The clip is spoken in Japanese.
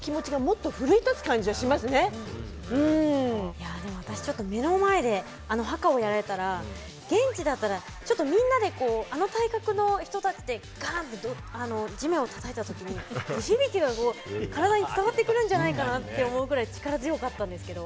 いやでも私ちょっと目の前であのハカをやられたら現地だったらみんなであの体格の人たちでガンって地面をたたいた時に地響きが体に伝わってくるんじゃないかなって思うぐらい力強かったんですけど。